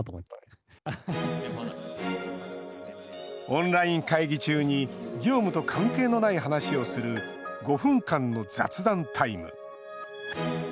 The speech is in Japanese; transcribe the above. オンライン会議中に業務と関係のない話をする５分間の雑談タイム。